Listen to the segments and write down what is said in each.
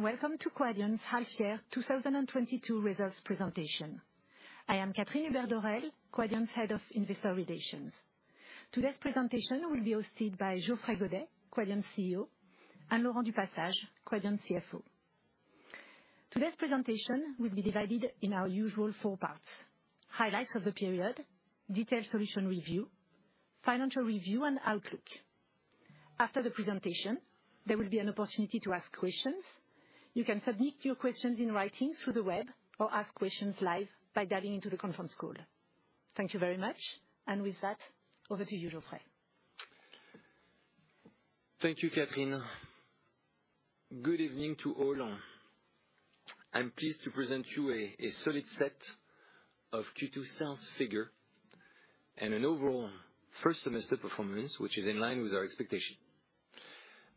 Welcome to Quadient's half-year 2022 results presentation. I am Catherine Hubert-Dorel, Quadient's Head of Investor Relations. Today's presentation will be hosted by Geoffrey Godet, Quadient's CEO, and Laurent du Passage, Quadient's CFO. Today's presentation will be divided into our usual four parts, highlights of the period, detailed solution review, financial review, and outlook. After the presentation, there will be an opportunity to ask questions. You can submit your questions in writing through the web, or ask questions live by dialing into the conference call. Thank you very much. With that, over to you, Geoffrey. Thank you, Catherine. Good evening to all. I'm pleased to present you a solid set of Q2 sales figure and an overall first semester performance, which is in line with our expectation.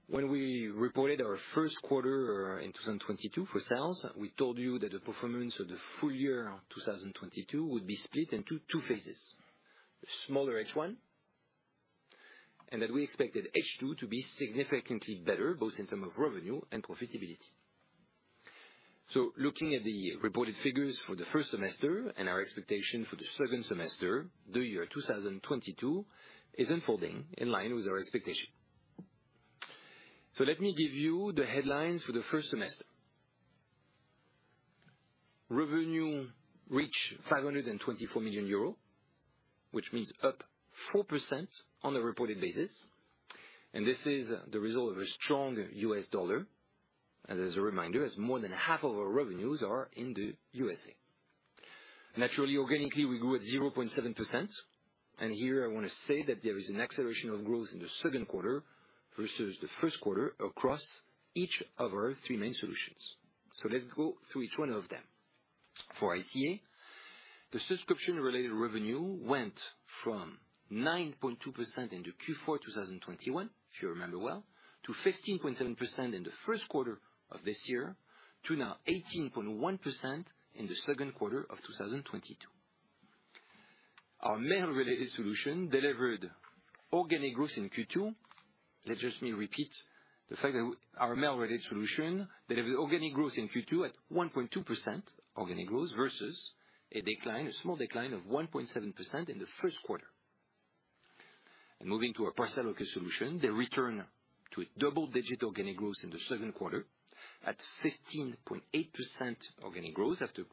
When we reported our first quarter in 2022 for sales, we told you that the performance of the full year 2022 would be split into two phases. A smaller H1, and that we expected H2 to be significantly better, both in terms of revenue and profitability. Looking at the reported figures for the first semester and our expectation for the second semester, the year 2022 is unfolding in line with our expectation. Let me give you the headlines for the first semester. Revenue reached 524 million euros, which means up 4% on a reported basis, and this is the result of a strong U.S. dollar. As a reminder, as more than half of our revenues are in the U.S.A. Naturally, organically, we grew at 0.7%. Here I wanna say that there is an acceleration of growth in the second quarter versus the first quarter across each of our three main solutions. Let's go through each one of them. For ICA, the subscription-related revenue went from 9.2% into Q4 2021, if you remember well, to 15.7% in the first quarter of this year, to now 18.1% in the second quarter of 2022. Our Mail-Related Solutions delivered organic growth in Q2. Let me just repeat the fact that our mail-related solution delivered organic growth in Q2 at 1.2% organic growth versus a decline, a small decline of 1.7% in the first quarter. Moving to our parcel locker solution, the return to a double-digit organic growth in the second quarter at 15.8% organic growth after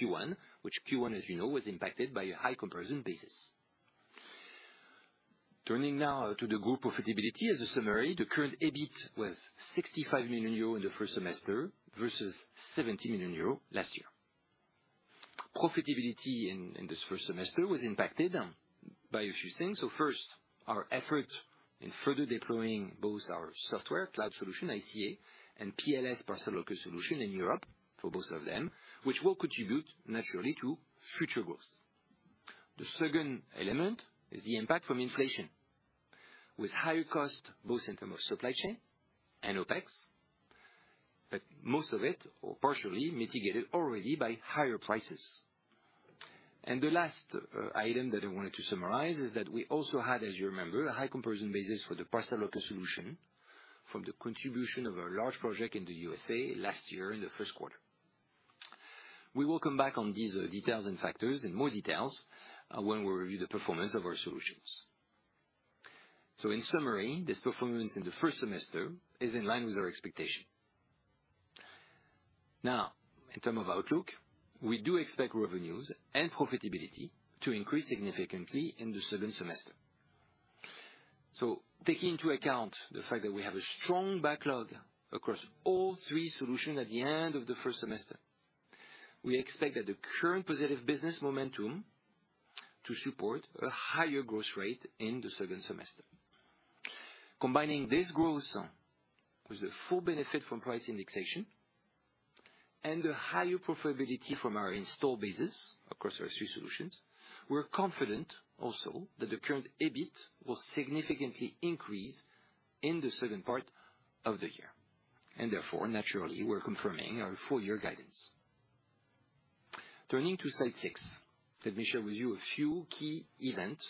Q1, which, as you know, was impacted by a high comparison basis. Turning now to the group profitability. As a summary, the current EBIT was 65 million euro in the first semester versus 70 million euro last year. Profitability in this first semester was impacted by a few things. First, our effort in further deploying both our software cloud solution, ICA, and PLS parcel locker solution in Europe for both of them, which will contribute naturally to future growth. The second element is the impact from inflation. With higher costs, both in terms of supply chain and OpEx, but most of it or partially mitigated already by higher prices. The last item that I wanted to summarize is that we also had, as you remember, a high comparison basis for the parcel locker solution from the contribution of a large project in the U.S.A., Last year in the first quarter. We will come back on these details and factors in more detail, when we review the performance of our solutions. In summary, this performance in the first semester is in line with our expectation. Now, in terms of outlook, we do expect revenues and profitability to increase significantly in the second semester. Taking into account the fact that we have a strong backlog across all three solutions at the end of the first semester, we expect that the current positive business momentum to support a higher growth rate in the second semester. Combining this growth with the full benefit from price indexation and the higher profitability from our installed base across our three solutions, we're confident also that the current EBIT will significantly increase in the second part of the year. Therefore, naturally, we're confirming our full year guidance. Turning to slide 6. Let me share with you a few key events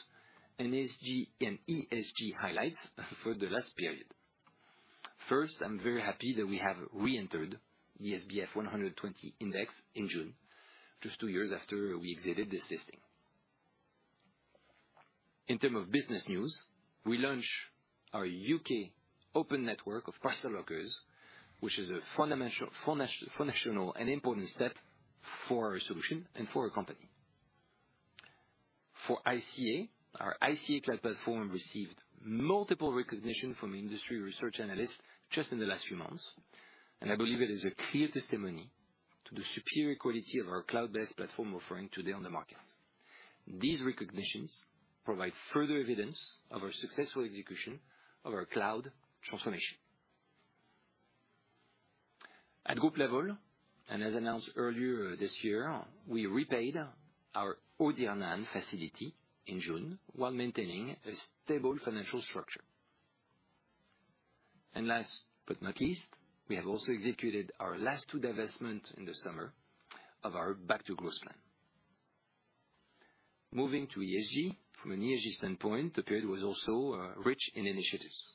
and ESG highlights for the last period. First, I'm very happy that we have reentered the SBF 120 index in June, just two years after we exited this listing. In terms of business news, we launched our U.K., Open Network of parcel lockers, which is a fundamental, foundational and important step for our solution and for our company. For ICA, our ICA cloud platform received multiple recognition from industry research analysts just in the last few months, and I believe it is a clear testimony to the superior quality of our cloud-based platform offering today on the market. These recognitions provide further evidence of our successful execution of our cloud transformation. At group level, and as announced earlier this year, we repaid our OCEANE facility in June while maintaining a stable financial structure. Last but not least, we have also executed our last two divestments in the summer of our back to growth plan. Moving to ESG. From an ESG standpoint, the period was also rich in initiatives.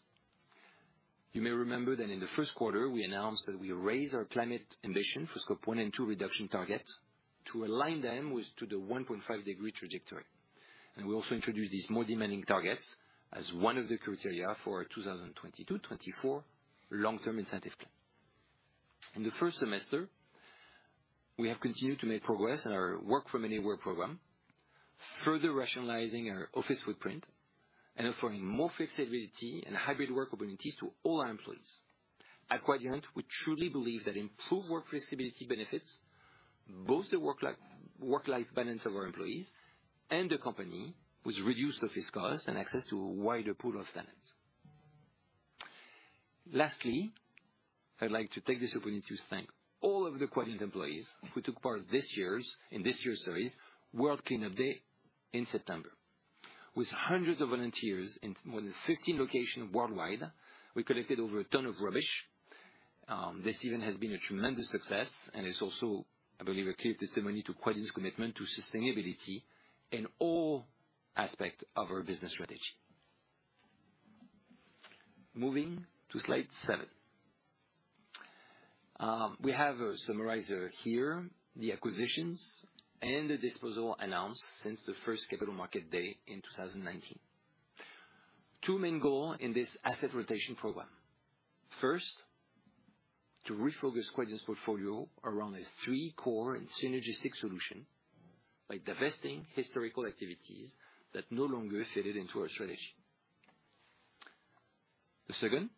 You may remember that in the first quarter we announced that we raised our climate ambition for scope one and two reduction target to align them with the 1.5-degree trajectory. We also introduced these more demanding targets as one of the criteria for our 2022-2024 long-term incentive plan. In the first semester, we have continued to make progress in our work from anywhere program, further rationalizing our office footprint and offering more flexibility and hybrid work opportunities to all our employees. At Quadient, we truly believe that improved work flexibility benefits both the work-life balance of our employees and the company, with reduced office costs and access to a wider pool of talents. Lastly, I'd like to take this opportunity to thank all of the Quadient employees who took part this year's. In this year's, sorry, World Cleanup Day in September. With hundreds of volunteers in more than 15 locations worldwide, we collected over a ton of rubbish. This event has been a tremendous success, and it's also, I believe, a clear testimony to Quadient's commitment to sustainability in all aspects of our business strategy. Moving to slide 7. We have a summary here of the acquisitions and the disposal announced since the first Capital Markets Day in 2019. Two main goals in this asset rotation program. First, to refocus Quadient's portfolio around our three core and synergistic solutions by divesting historical activities that no longer fit into our strategy. The second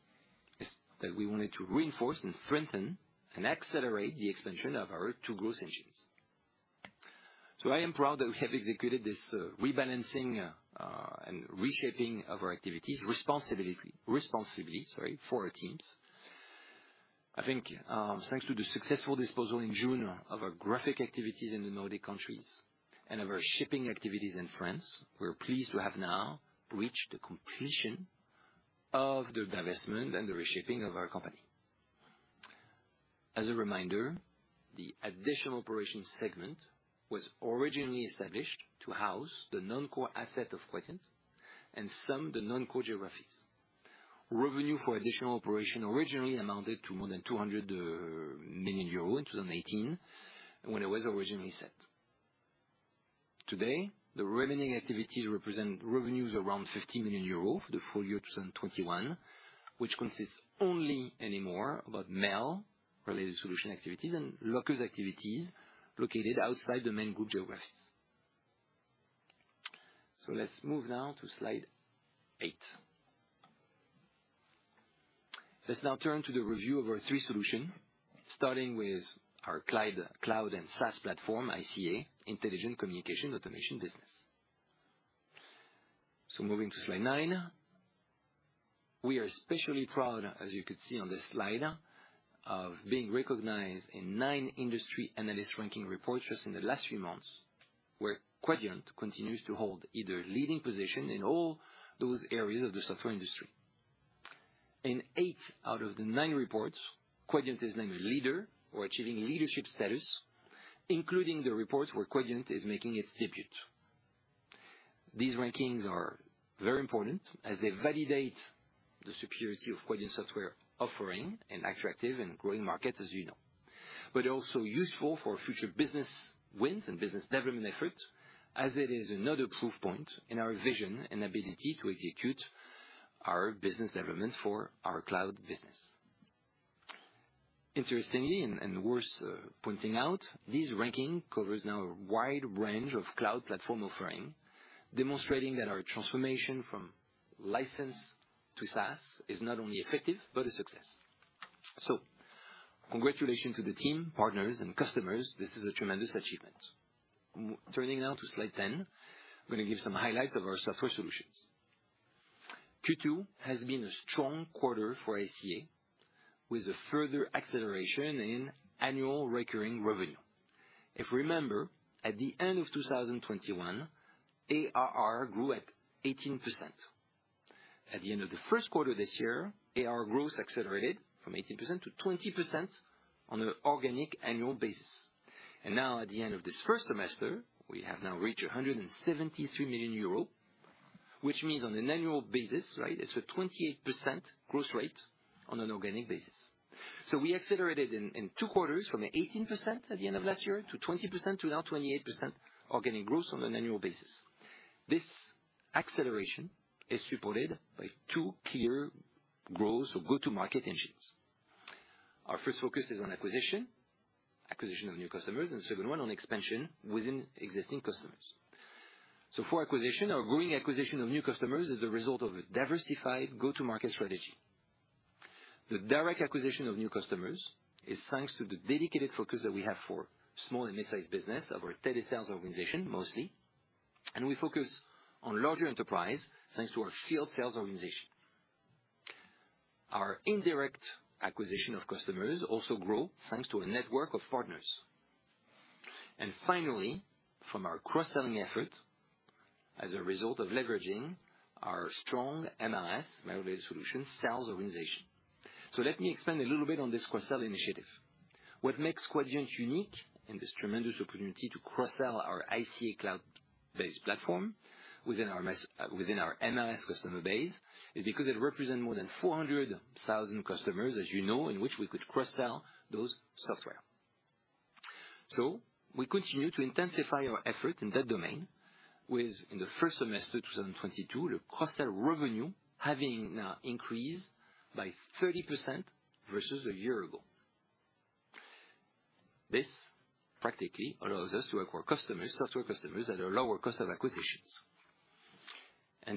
is that we wanted to reinforce and strengthen and accelerate the expansion of our two growth engines. I am proud that we have executed this rebalancing and reshaping of our activities responsibly. Responsibly, sorry for our teams. I think, thanks to the successful disposal in June of our graphic activities in the Nordic countries and of our shipping activities in France, we're pleased to have now reached the completion of the divestment and the reshaping of our company. As a reminder, the additional operations segment was originally established to house the non-core assets of Quadient and some of the non-core geographies. Revenue for additional operations originally amounted to more than 200 million euros in 2018 when it was originally set. Today, the remaining activities represent revenues around 50 million euros for the full year 2021, which consists only anymore about mail-related solutions activities and locker activities located outside the main group geographies. Let's move now to slide 8. Let's now turn to the review of our three solutions, starting with our cloud. Cloud and SaaS platform, ICA, Intelligent Communication Automation business. Moving to slide nine. We are especially proud, as you can see on this slide, of being recognized in nine industry analyst ranking reports just in the last few months, where Quadient continues to hold either leading position in all those areas of the software industry. In eight out of the nine reports, Quadient is named leader or achieving leadership status, including the reports where Quadient is making its debut. These rankings are very important as they validate the security of Quadient software offering in attractive and growing markets, as you know. Also useful for future business wins and business development efforts, as it is another proof point in our vision and ability to execute our business development for our cloud business. Interestingly, and worth pointing out, this ranking covers now a wide range of cloud platform offering, demonstrating that our transformation from license to SaaS is not only effective but a success. Congratulations to the team, partners and customers. This is a tremendous achievement. Turning now to slide 10, I'm gonna give some highlights of our software solutions. Q2 has been a strong quarter for ICA, with a further acceleration in annual recurring revenue. If you remember, at the end of 2021, ARR grew at 18%. At the end of the first quarter this year, ARR growth accelerated from 18%-20% on an organic annual basis. Now at the end of this first semester, we have now reached 173 million euros, which means on an annual basis, right, it's a 28% growth rate on an organic basis. We accelerated in two quarters from 18% at the end of last year to 20% to now 28% organic growth on an annual basis. This acceleration is supported by two clear growth or go-to-market engines. Our first focus is on acquisition of new customers, and second one on expansion within existing customers. For acquisition or growing acquisition of new customers is a result of a diversified go-to-market strategy. The direct acquisition of new customers is thanks to the dedicated focus that we have for small and midsize business of our telesales organization mostly. We focus on larger enterprise, thanks to our field sales organization. Our indirect acquisition of customers also grow, thanks to a network of partners. From our cross-selling effort, as a result of leveraging our strong MRS, mail-based solution, sales organization. Let me expand a little bit on this cross-sell initiative. What makes Quadient unique in this tremendous opportunity to cross-sell our ICA cloud-based platform within our MRS customer base, is because it represent more than 400,000 customers, as you know, in which we could cross-sell those software. We continue to intensify our effort in that domain with, in the first semester, 2022, the cross-sell revenue having increased by 30% versus a year ago. This practically allows us to acquire customers, software customers, at a lower cost of acquisitions.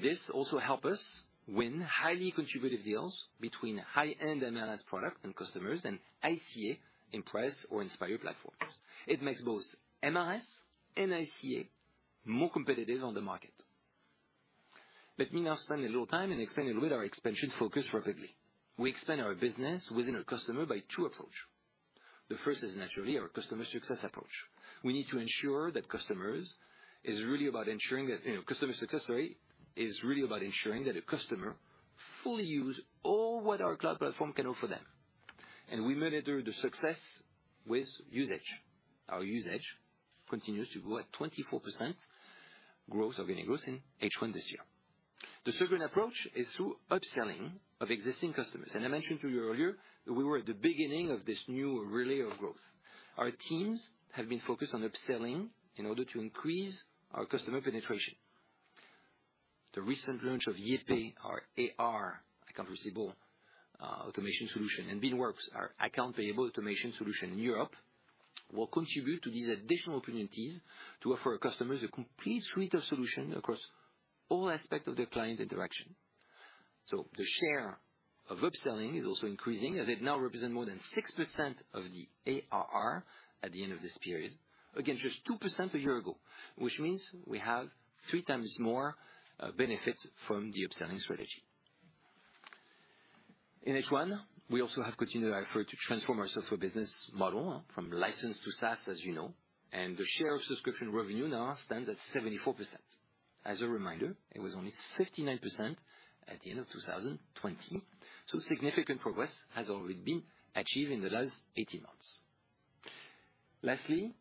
This also help us win highly contributive deals between high-end MRS product and customers and ICA Impress or Inspire platforms. It makes both MRS and ICA more competitive on the market. Let me now spend a little time and explain a little our expansion focus rapidly. We expand our business within a customer by two approach. The first is naturally our customer success approach. We need to ensure that customer success is really about, you know, ensuring that a customer fully use all that our cloud platform can offer them. We monitor the success with usage. Our usage continues to grow at 24% organic growth in H1 this year. The second approach is through upselling of existing customers. I mentioned to you earlier that we were at the beginning of this new relay of growth. Our teams have been focused on upselling in order to increase our customer penetration. The recent launch of YayPay, our AR automation solution, and Beanworks, our accounts payable automation solution in Europe, will contribute to these additional opportunities to offer our customers a complete suite of solution across all aspect of their client interaction. The share of upselling is also increasing, as it now represent more than 6% of the ARR at the end of this period. Again, just 2% a year ago, which means we have three times more benefits from the upselling strategy. In H1, we also have continued our effort to transform our software business model from license to SaaS, as you know, and the share of subscription revenue now stands at 74%. As a reminder, it was only 59% at the end of 2020. Significant progress has already been achieved in the last 18 months. Lastly,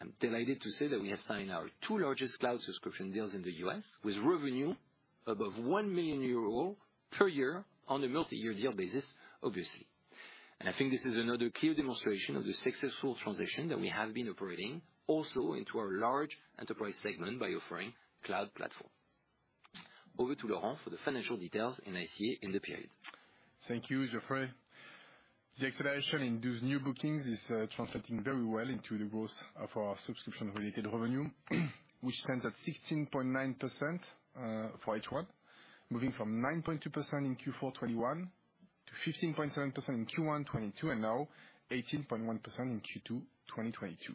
I'm delighted to say that we have signed our 2 largest cloud subscription deals in the U.S. with revenue above 1 million euro per year on a multi-year deal basis, obviously. I think this is another clear demonstration of the successful transition that we have been operating also into our large enterprise segment by offering cloud platform. Over to Laurent du Passage for the financial details in ICA in the period. Thank you, Geoffrey. The acceleration in those new bookings is translating very well into the growth of our subscription-related revenue, which stands at 16.9% for H1, moving from 9.2% in Q4 2021 to 15.7% in Q1 2022, and now 18.1% in Q2 2022.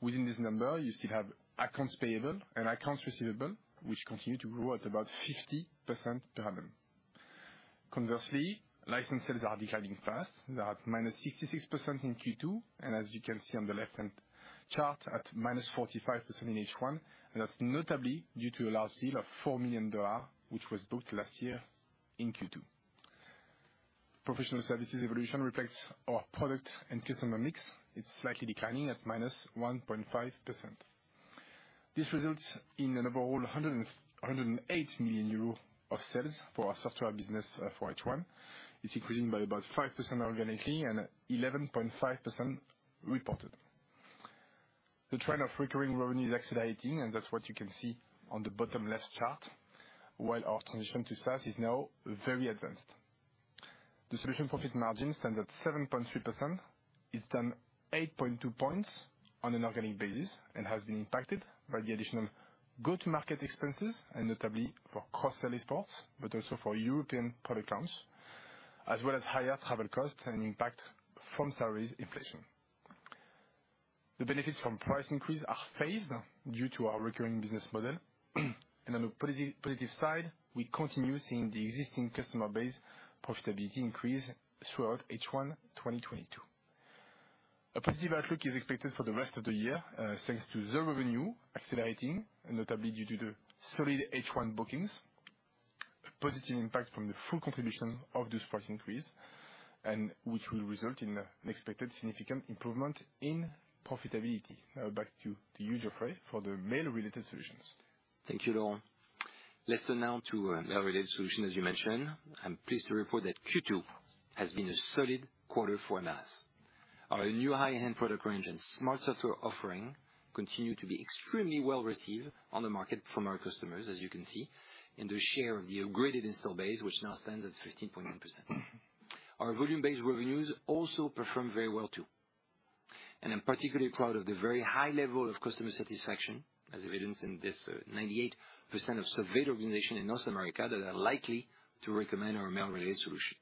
Within this number, you still have accounts payable and accounts receivable, which continue to grow at about 50% per annum. Conversely, license sales are declining fast. They're at -66% in Q2, and as you can see on the left-hand chart, at -45% in H1, and that's notably due to a large deal of $4 million, which was booked last year in Q2. Professional services evolution reflects our product and customer mix. It's slightly declining at -1.5%. This results in an overall 108 million euro of sales for our software business for H1. It's increasing by about 5% organically and 11.5% reported. The trend of recurring revenue is accelerating, and that's what you can see on the bottom left chart. While our transition to SaaS is now very advanced. The solution profit margin stands at 7.3%. It's down 8.2 points on an organic basis and has been impacted by the additional go-to-market expenses, and notably for cross-sell efforts, but also for European product accounts, as well as higher travel costs and impact from salary inflation. The benefits from price increase are phased due to our recurring business model. On the positive side, we continue seeing the existing customer base profitability increase throughout H1 2022. A positive outlook is expected for the rest of the year, thanks to the revenue accelerating, and notably due to the solid H1 bookings, a positive impact from the full contribution of this price increase, and which will result in an expected significant improvement in profitability. Back to you, Geoffrey, for the Mail-Related Solutions. Thank you, Laurent. Let's turn now to our Mail-Related Solutions, as you mentioned. I'm pleased to report that Q2 has been a solid quarter for MRS. Our new high-end product range and smart software offering continue to be extremely well received on the market from our customers, as you can see in the share of the upgraded install base, which now stands at 15.9%. Our volume-based revenues also perform very well, too. I'm particularly proud of the very high level of customer satisfaction, as evidenced in this, 98% of surveyed organizations in North America that are likely to recommend our Mail-Related Solutions.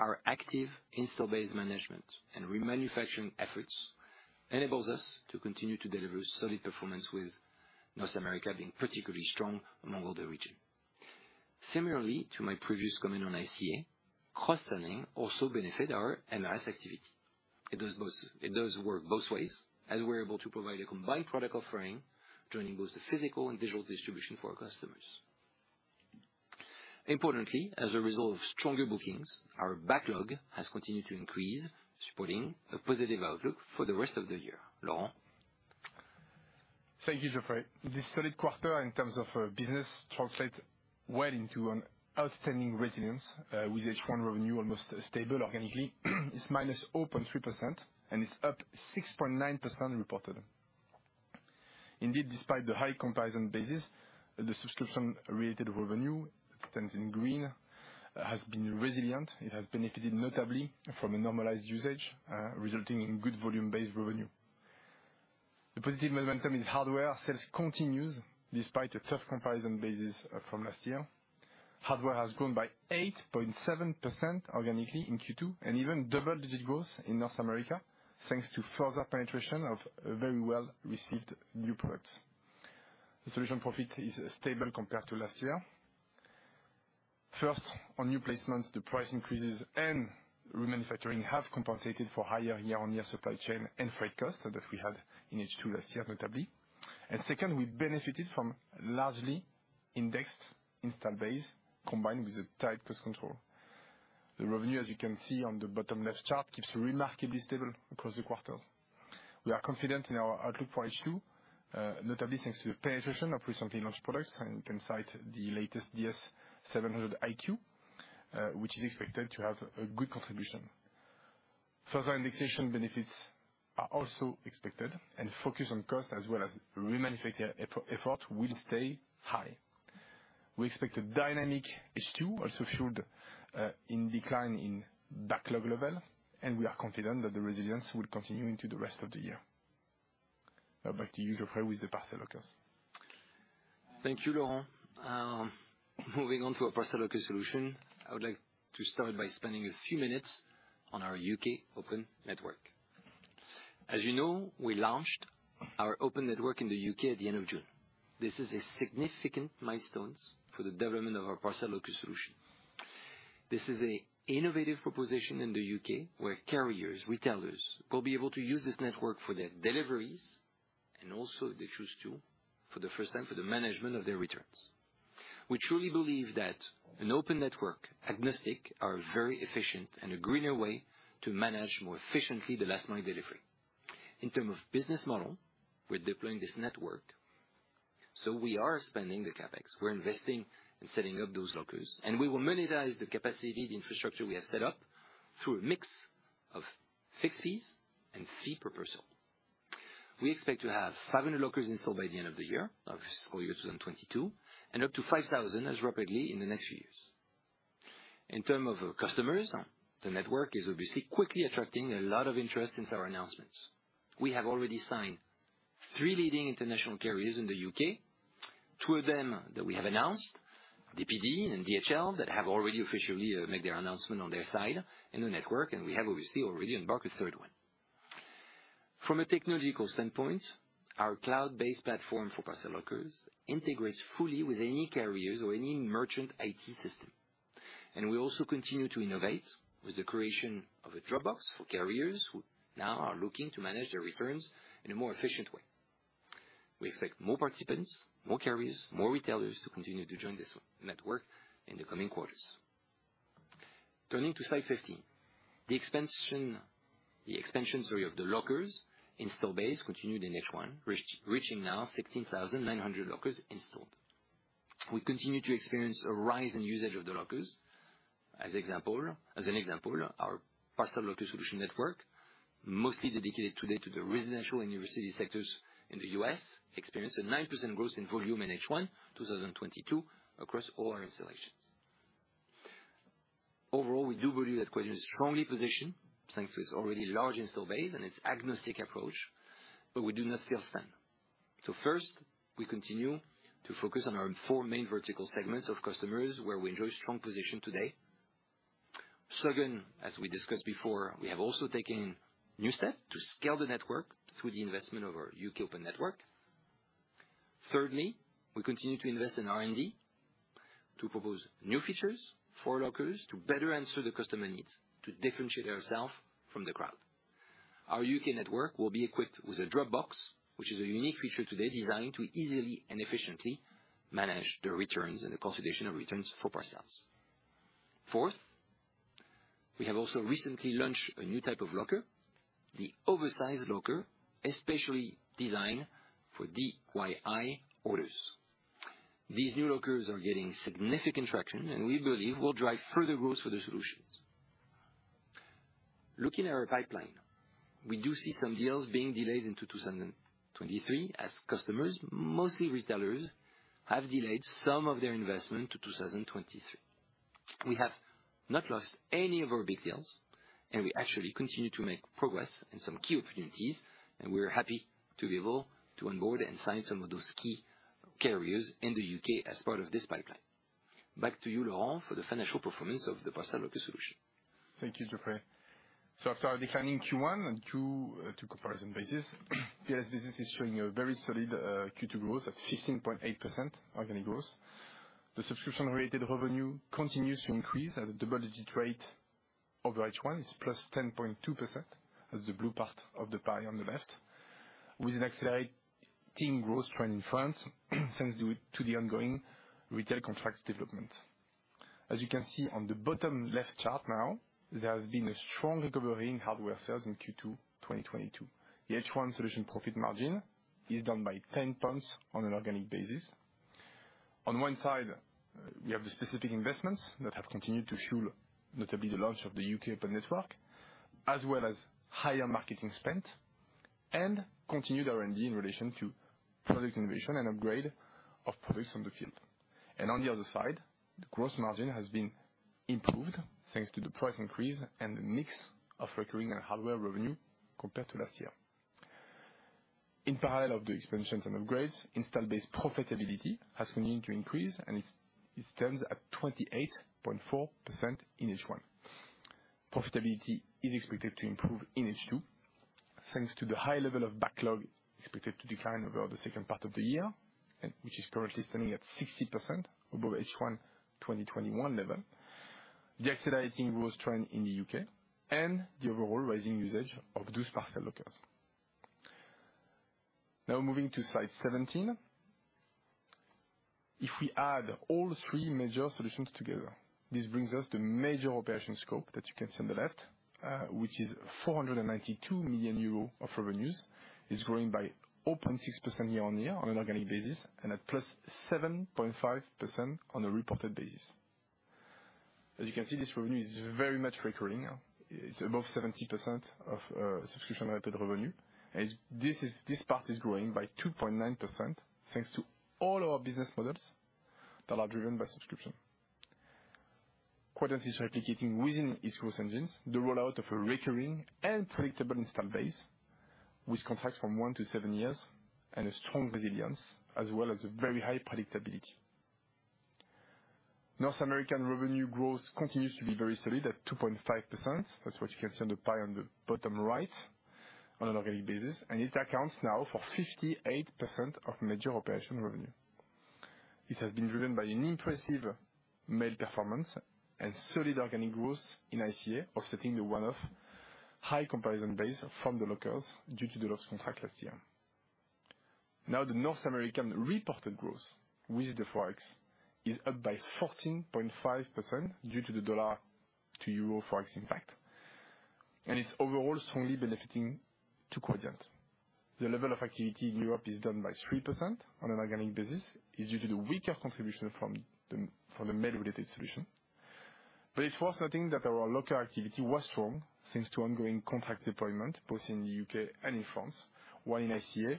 Our active install base management and remanufacturing efforts enables us to continue to deliver solid performance, with North America being particularly strong among all the region. Similarly to my previous comment on ICA, cross-selling also benefit our MRS activity. It does both. It does work both ways, as we're able to provide a combined product offering joining both the physical and digital distribution for our customers. Importantly, as a result of stronger bookings, our backlog has continued to increase, supporting a positive outlook for the rest of the year. Laurent? Thank you, Geoffrey. This solid quarter in terms of business translate well into an outstanding resilience with H1 revenue almost stable organically. It's -0.3%, and it's up 6.9% reported. Indeed, despite the high comparison basis, the subscription-related revenue, it stands in green, has been resilient. It has benefited notably from a normalized usage resulting in good volume-based revenue. The positive momentum in hardware sales continues despite a tough comparison basis from last year. Hardware has grown by 8.7% organically in Q2, and even double-digit growth in North America, thanks to further penetration of very well-received new products. The solution profit is stable compared to last year. First, on new placements, the price increases and remanufacturing have compensated for higher year-on-year supply chain and freight costs that we had in H2 last year, notably. Second, we benefited from largely indexed installed base combined with tight cost control. The revenue, as you can see on the bottom left chart, keeps remarkably stable across the quarters. We are confident in our outlook for H2, notably thanks to the penetration of recently launched products, and you can cite the latest DS-700 iQ, which is expected to have a good contribution. Further indexation benefits are also expected, and focus on cost as well as remanufacture effort will stay high. We expect a dynamic H2, also fueled by declining backlog level, and we are confident that the resilience will continue into the rest of the year. Now back to you, Geoffrey, with the parcel lockers. Thank you, Laurent. Moving on to our parcel locker solution, I would like to start by spending a few minutes on our U.K., Open network. As you know, we launched our open network in the U.K. at the end of June. This is a significant milestones for the development of our parcel locker solution. This is a innovative proposition in the U.K., where carriers, retailers will be able to use this network for their deliveries and also, if they choose to, for the first time, for the management of their returns. We truly believe that an open network, agnostic, are very efficient and a greener way to manage more efficiently the last mile delivery. In term of business model, we're deploying this network, so we are spending the CapEx. We're investing in setting up those lockers, and we will monetize the capacity, the infrastructure we have set up through a mix of fixed fees and fee per parcel. We expect to have 500 lockers installed by the end of the year of fiscal year 2022, and up to 5,000 as rapidly in the next few years. In terms of customers, the network is obviously quickly attracting a lot of interest since our announcements. We have already signed three leading international carriers in the U.K., two of them that we have announced, DPD and DHL, that have already officially made their announcement on their side in the network, and we have obviously already embarked a third one. From a technological standpoint, our cloud-based platform for parcel lockers integrates fully with any carriers or any merchant IT system. We also continue to innovate with the creation of a Drop Box for carriers who now are looking to manage their returns in a more efficient way. We expect more participants, more carriers, more retailers to continue to join this network in the coming quarters. Turning to slide 15. The expansion, sorry, of the lockers installed base continued in H1, reaching now 16,900 lockers installed. We continue to experience a rise in usage of the lockers. As an example, our parcel locker solution network, mostly dedicated today to the residential and university sectors in the U.S., experienced a 9% growth in volume in H1, 2022 across all our installations. Overall, we do believe that Colis is strongly positioned thanks to its already large installed base and its agnostic approach, but we do not feel spent. First, we continue to focus on our four main vertical segments of customers where we enjoy strong position today. Second, as we discussed before, we have also taken new step to scale the network through the investment of our U.K., open network. Third, we continue to invest in R&D to propose new features for lockers to better answer the customer needs, to differentiate ourselves from the crowd. Our U.K., network will be equipped with a Drop Box, which is a unique feature today designed to easily and efficiently manage the returns and the consolidation of returns for parcels. Fourth, we have also recently launched a new type of locker, the oversized locker, especially designed for DIY orders. These new lockers are getting significant traction, and we believe will drive further growth for the solutions. Looking at our pipeline, we do see some deals being delayed into 2023 as customers, mostly retailers, have delayed some of their investment to 2023. We have not lost any of our big deals, and we actually continue to make progress in some key opportunities, and we're happy to be able to onboard and sign some of those key carriers in the U.K., as part of this pipeline. Back to you, Laurent, for the financial performance of the parcel locker solution. Thank you, Geoffrey. After a declining Q1 and Q2 comparison basis, PLS business is showing a very solid Q2 growth at 16.8% organic growth. The subscription-related revenue continues to increase at a double-digit rate over H1. It's +10.2% as the blue part of the pie on the left, with an accelerating growth trend in France, thanks to the ongoing retail contracts development. As you can see on the bottom left chart, there has been a strong recovery in hardware sales in Q2, 2022. The H1 solution profit margin is down by 10 points on an organic basis. On one side, we have the specific investments that have continued to fuel, notably the launch of the U.K., Open network, as well as higher marketing spend and continued R&D in relation to product innovation and upgrade of products on the field. On the other side, the gross margin has been improved thanks to the price increase and the mix of recurring and hardware revenue compared to last year. In parallel with the expansions and upgrades, installed base profitability has continued to increase, and it stands at 28.4% in H1. Profitability is expected to improve in H2, thanks to the high level of backlog expected to decline over the second part of the year and which is currently standing at 60% above H1 2021 level. The accelerating growth trend in the U.K., and the overall rising usage of those parcel lockers. Now moving to slide 17. If we add all three major solutions together, this brings us to major operation scope that you can see on the left, which is 492 million euro of revenues, is growing by 0.6% year-on-year on an organic basis, and at +7.5% on a reported basis. As you can see, this revenue is very much recurring. It's above 70% of subscription-related revenue. This part is growing by 2.9%, thanks to all our business models that are driven by subscription. Quadient is replicating within its growth engines the rollout of a recurring and predictable install base with contracts from 1-7 years and a strong resilience, as well as a very high predictability. North American revenue growth continues to be very solid at 2.5%. That's what you can see on the pie on the bottom right on an organic basis, and it accounts now for 58% of Group operating revenue. It has been driven by an impressive mail performance and solid organic growth in ICA, offsetting the one-off high comparison base from the lockers due to the lost contract last year. Now, the North American reported growth with the Forex is up by 14.5% due to the dollar to euro Forex impact, and it's overall strongly benefiting to Quadient. The level of activity in Europe is down by 3% on an organic basis, is due to the weaker contribution from the mail-related solution. It's worth noting that our locker activity was strong, thanks to ongoing contract deployment both in the U.K., and in France, while in ICA,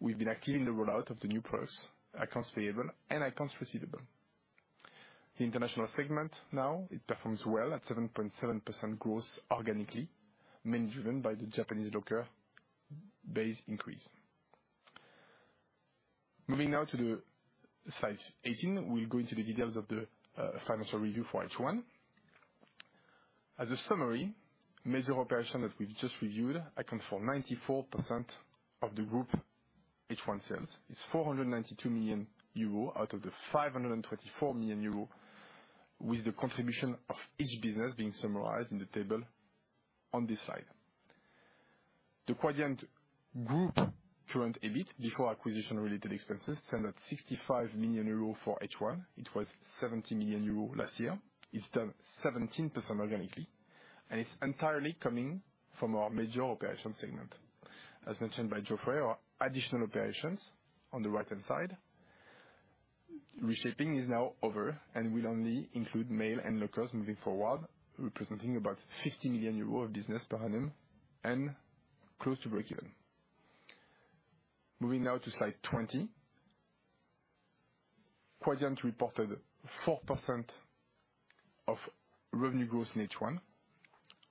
we've been active in the rollout of the new products, accounts payable and accounts receivable. The international segment, now, it performs well at 7.7% growth organically, mainly driven by the Japanese locker base increase. Moving now to the slide 18, we'll go into the details of the financial review for H1. As a summary, major operation that we've just reviewed account for 94% of the group H1 sales. It's 492 million euro out of the 524 million euro, with the contribution of each business being summarized in the table on this slide. The Quadient Group current EBIT, before acquisition-related expenses, stand at 65 million euro for H1. It was 70 million euro last year. It's down 17% organically, and it's entirely coming from our major operation segment. As mentioned by Geoffrey, our additional operations on the right-hand side, reshaping is now over and will only include mail and lockers moving forward, representing about 50 million euros of business per annum and close to breakeven. Moving now to slide 20. Quadient reported 4% of revenue growth in H1.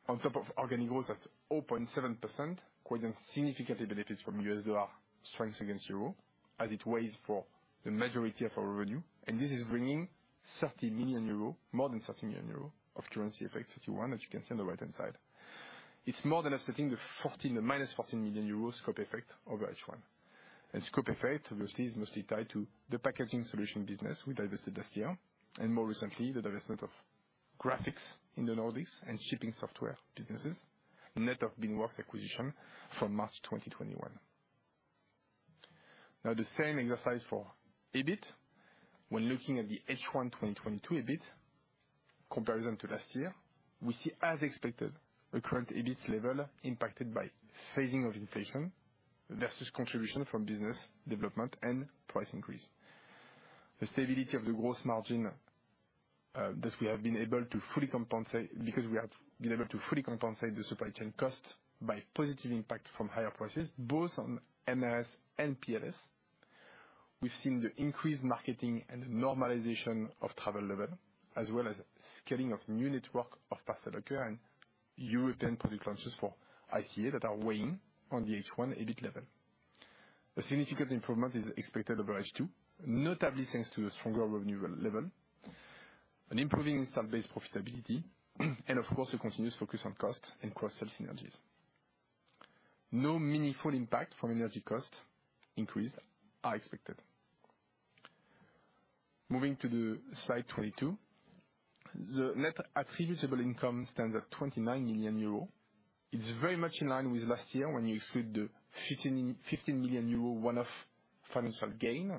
On top of organic growth at 0.7%, Quadient significantly benefits from U.S. dollar strength against euro as it weighs for the majority of our revenue. This is bringing 30 million euro, more than 30 million euro of currency effects H1, as you can see on the right-hand side. It's more than offsetting the -14 million euro scope effect over H1. Scope effect obviously is mostly tied to the packaging solution business we divested last year, and more recently, the divestment of graphics in the Nordics and shipping software businesses, net of Beanworks acquisition from March 2021. Now, the same exercise for EBIT. When looking at the H1 2022 EBIT comparison to last year, we see, as expected, a current EBIT level impacted by phasing of inflation versus contribution from business development and price increase. The stability of the gross margin that we have been able to fully compensate the supply chain cost by positive impact from higher prices, both on MRS and PLS. We've seen the increased marketing and normalization of travel level, as well as scaling of new network of parcel locker and European product launches for ICA that are weighing on the H1 EBIT level. A significant improvement is expected over H2, notably thanks to the stronger revenue level, an improving install base profitability, and of course, a continuous focus on cost and cross-sell synergies. No meaningful impact from energy cost increase are expected. Moving to the slide 22. The net attributable income stands at 29 million euros. It's very much in line with last year when you exclude the 15 million euro one-off financial gain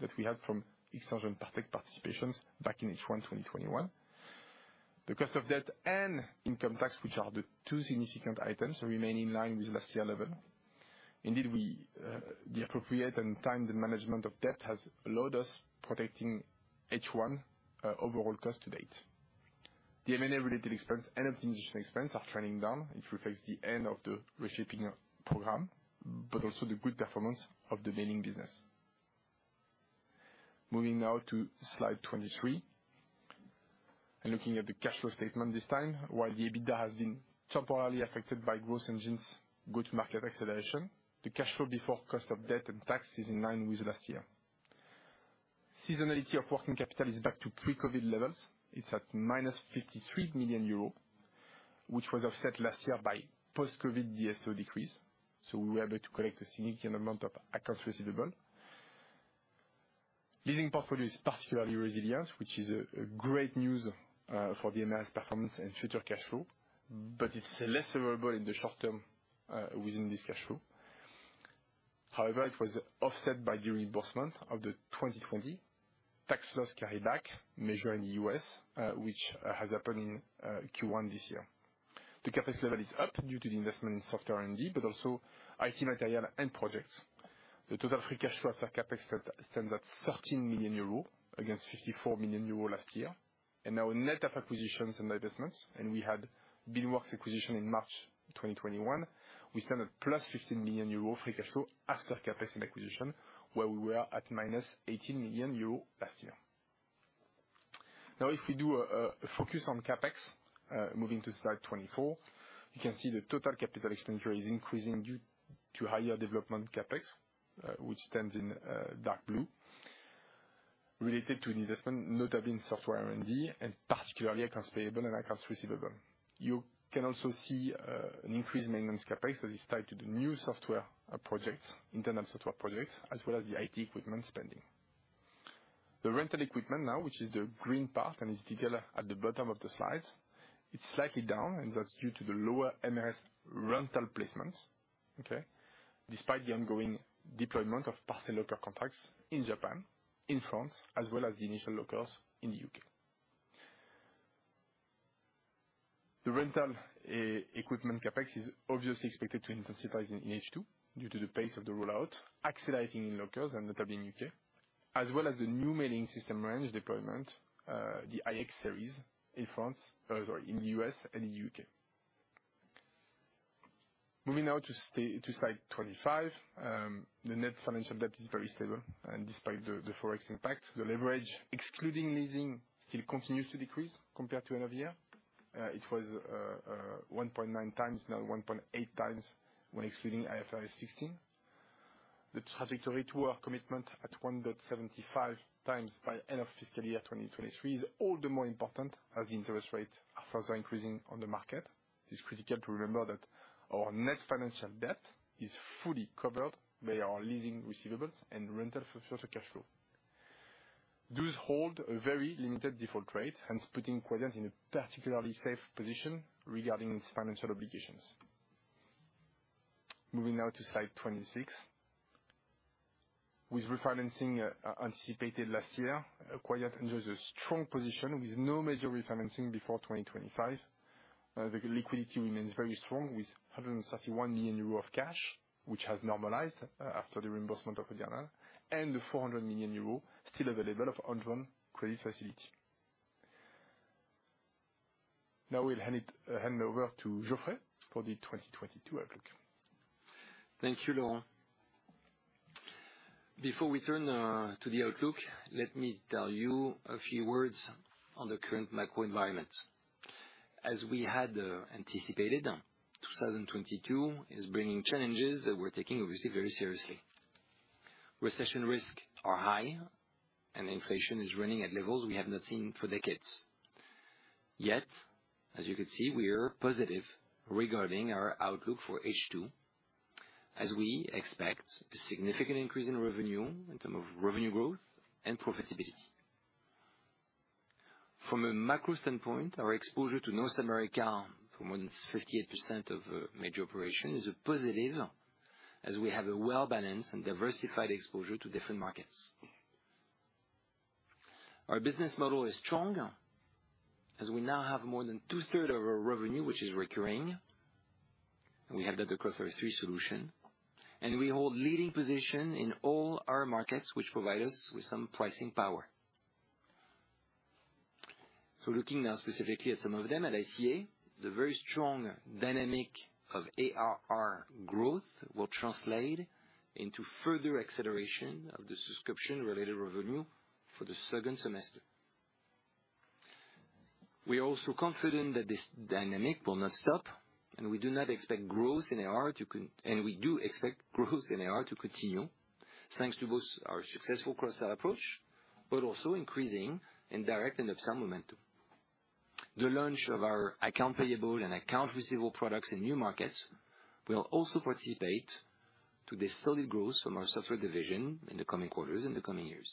that we had from exchange and equity participations back in H1 2021. The cost of debt and income tax, which are the two significant items, remain in line with last year level. Indeed, the appropriate and timely management of debt has allowed us to protect H1 overall cost of debt. The M&A-related expense and optimization expense are trending down, which reflects the end of the reshaping program, but also the good performance of the lending business. Moving now to slide 23, and looking at the cash flow statement this time. While the EBITDA has been temporarily affected by Growth Engines good market acceleration, the cash flow before cost of debt and tax is in line with last year. Seasonality of working capital is back to pre-COVID levels. It's at -53 million euros, which was offset last year by post-COVID DSO decrease, so we were able to collect a significant amount of accounts receivable. Leasing portfolio is particularly resilient, which is a great news, for the M&S performance and future cash flow, but it's less available in the short term, within this cash flow. However, it was offset by the reimbursement of the 2020 tax loss carryback measured in the U.S., which has happened in Q1 this year. The CapEx level is up due to the investment in software R&D, but also IT material and projects. The total free cash flow after CapEx stands at 13 million euros, against 54 million euros last year. Now net of acquisitions and divestments, and we had Beanworks acquisition in March 2021. We stand at +15 million euro free cash flow after CapEx and acquisition, where we were at -18 million euro last year. Now, if we do a focus on CapEx, moving to slide 24, you can see the total capital expenditure is increasing due to higher development CapEx, which is in dark blue, related to an investment, notably in software R&D and particularly accounts payable and accounts receivable. You can also see an increase in maintenance CapEx that is tied to the new software projects, internal software projects, as well as the IT equipment spending. The rental equipment now, which is the green part and is detailed at the bottom of the slides, it's slightly down, and that's due to the lower MRS rental placements. Okay. Despite the ongoing deployment of parcel locker contracts in Japan, in France, as well as the initial lockers in the U.K. The rental equipment CapEx is obviously expected to intensify in H2 due to the pace of the rollout, accelerating in lockers and notably in the U.K., as well as the new mailing system range deployment, the iX-Series in the U.S., and the U.K. Moving now to slide 25. The net financial debt is very stable, and despite the Forex impact, the leverage, excluding leasing, still continues to decrease compared to end of year. It was 1.9x, now 1.8x when excluding IFRS 16. The trajectory to our commitment at 1.75x by end of fiscal year 2023 is all the more important as the interest rates are further increasing on the market. It's critical to remember that our net financial debt is fully covered by our leasing receivables and rental future cash flow. Those hold a very limited default rate, hence putting Quadient in a particularly safe position regarding its financial obligations. Moving now to slide 26. With refinancing anticipated last year, Quadient enjoys a strong position with no major refinancing before 2025. The liquidity remains very strong with 131 million euros of cash, which has normalized after the reimbursement of OCEANE, and the 400 million euros still available of undrawn credit facility. Now we'll hand over to Geoffrey for the 2022 outlook. Thank you, Laurent. Before we turn to the outlook, let me tell you a few words on the current macro environment. As we had anticipated, 2022 is bringing challenges that we're taking obviously very seriously. Recession risks are high, and inflation is running at levels we have not seen for decades. Yet, as you can see, we are positive regarding our outlook for H2, as we expect a significant increase in revenue in terms of revenue growth and profitability. From a macro standpoint, our exposure to North America, for more than 58% of major operations, is a positive, as we have a well-balanced and diversified exposure to different markets. Our business model is strong, as we now have more than two-thirds of our revenue, which is recurring. We have that across our three solutions. We hold leading position in all our markets which provide us with some pricing power. Looking now specifically at some of them, at ICA, the very strong dynamic of ARR growth will translate into further acceleration of the subscription-related revenue for the second semester. We are also confident that this dynamic will not stop, and we do expect growth in ARR to continue, thanks to both our successful cross-sell approach, but also increasing in direct and up-sell momentum. The launch of our account payable and account receivable products in new markets will also participate to the steady growth from our software division in the coming quarters in the coming years.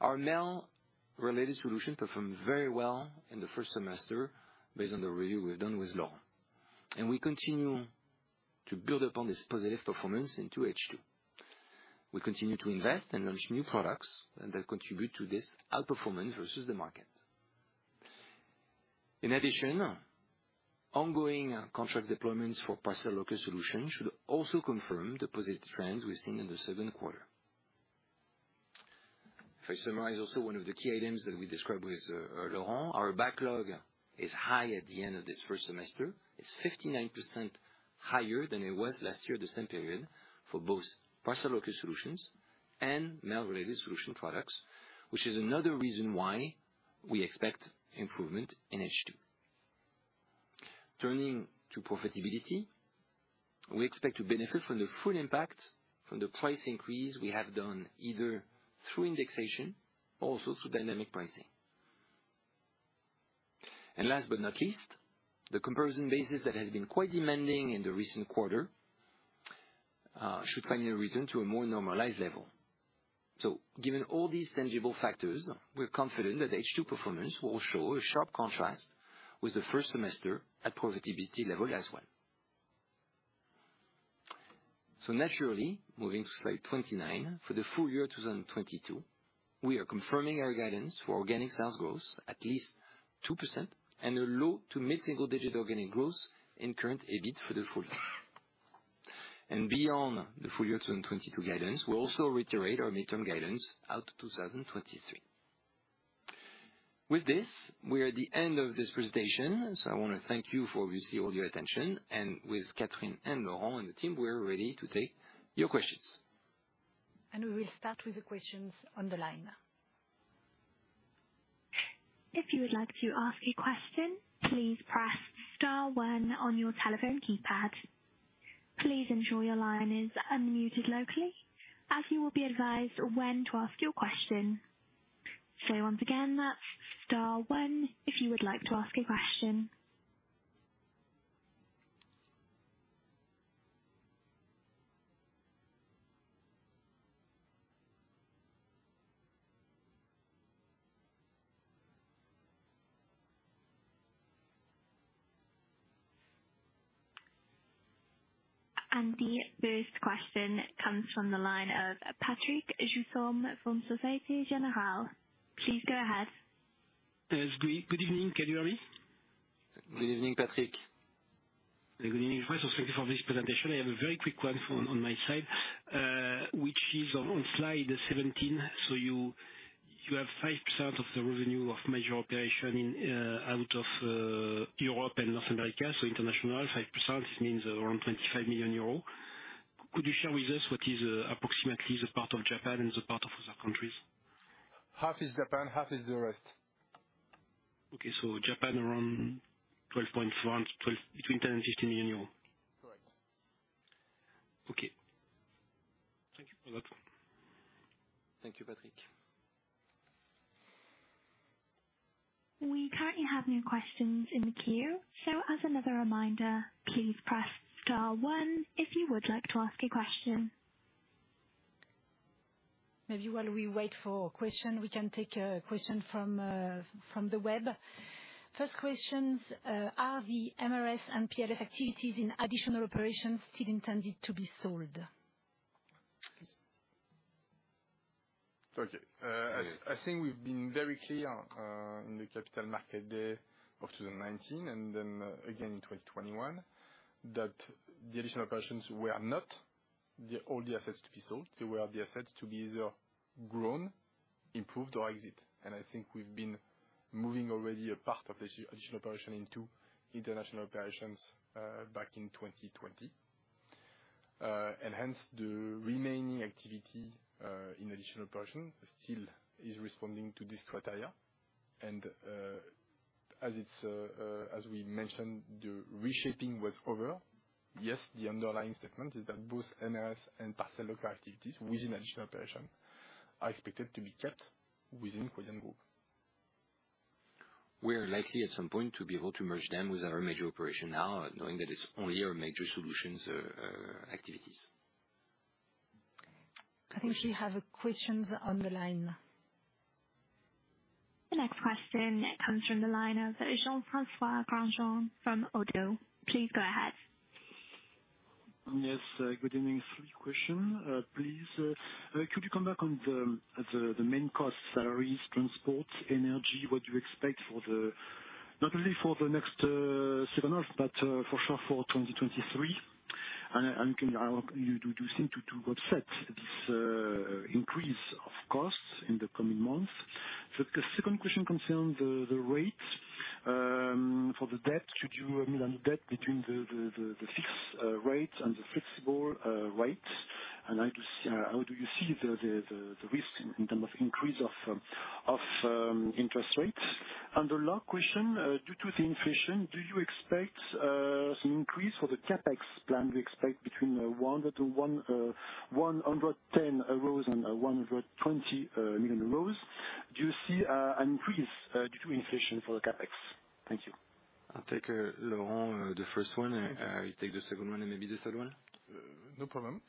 Our Mail-Related Solutions performed very well in the first semester based on the review we've done with Laurent du Passage. We continue to build upon this positive performance into H2. We continue to invest and launch new products, and they contribute to this outperformance versus the market. In addition, ongoing contract deployments for parcel locker solution should also confirm the positive trends we've seen in the second quarter. If I summarize also one of the key items that we described with Laurent, our backlog is high at the end of this first semester. It's 59% higher than it was last year at the same period for both parcel locker solutions and mail-related solution products, which is another reason why we expect improvement in H2. Turning to profitability, we expect to benefit from the full impact from the price increase we have done, either through indexation, also through dynamic pricing. Last but not least, the comparison basis that has been quite demanding in the recent quarter should finally return to a more normalized level. Given all these tangible factors, we're confident that H2 performance will show a sharp contrast with the first semester at profitability level as well. Naturally, moving to slide 29, for the full year 2022, we are confirming our guidance for organic sales growth of at least 2% and a low- to mid-single-digit organic growth in current EBIT for the full year. Beyond the full year 2022 guidance, we also reiterate our midterm guidance out to 2023. With this, we are at the end of this presentation, so I wanna thank you for obviously all your attention. With Catherine and Laurent and the team, we're ready to take your questions. We will start with the questions on the line. If you would like to ask a question, please press star one on your telephone keypad. Please ensure your line is unmuted locally as you will be advised when to ask your question. Once again, that's star one if you would like to ask a question. The first question comes from the line of Patrick Jousseaume from Société Générale. Please go ahead. Yes. Good evening, everybody. Good evening, Patrick. Good evening. First off, thank you for this presentation. I have a very quick one from my side, which is on slide 17. You have 5% of the revenue of major operation outside of Europe and North America. International 5% means around 25 million euros. Could you share with us what is approximately the part of Japan and the part of other countries? Half is Japan, half is the rest. Japan around 12.1, between 10 million and 15 million euros. Correct. Okay. Thank you a lot. Thank you, Patrick. We currently have no questions in the queue. As another reminder, please press star one if you would like to ask a question. Maybe while we wait for question, we can take a question from the web. First question is, are the MRS and PLS activities in additional operations still intended to be sold? Okay. I think we've been very clear in the Capital Markets Day of 2019 and then again in 2021, that the additional operations were not the only assets to be sold. They were the assets to be either grown, improved or exited. I think we've been moving already a part of this additional operation into international operations back in 2020. Hence the remaining activity in additional operation still is responding to this criteria. As we mentioned, the reshaping was over. Yes, the underlying statement is that both MRS and parcel locker activities within additional operation are expected to be kept within Cogedim Group. We are likely at some point to be able to merge them with our major operation now, knowing that it's only our major solutions activities. I think we have questions on the line. The next question comes from the line of Jean-François Granjon from Oddo. Please go ahead. Yes, good evening. Three questions, please. Could you come back on the main cost, salaries, transport, energy, what you expect not only for the next seven months, but for sure for 2023? Do you seem to offset this increase of costs in the coming months? The second question concerns the rates for the debt. Should you amend the debt between the fixed rate and the flexible rate? How do you see the risk in terms of increase of interest rates? The last question. Due to the inflation, do you expect some increase for the CapEx plan? We expect between 110 million euros and 120 million euros. Do you see an increase due to inflation for the CapEx? Thank you. I'll take, Laurent, the first one. Okay. You take the second one and maybe the third one. No problem.